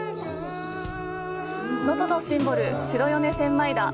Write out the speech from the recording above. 能登のシンボル、白米千枚田。